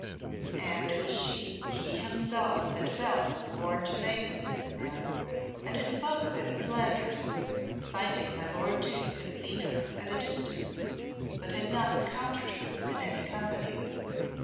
And it was she he himself had felt was born to mate with this man, and had spoke of it in Flanders, finding my lord Duke had seen her at a distance but had not encountered her in any company.